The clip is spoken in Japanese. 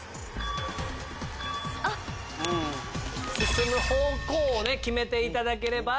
進む方向を決めていただければ。